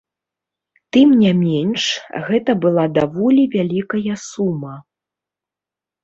Тым не менш, гэта была даволі вялікая сума.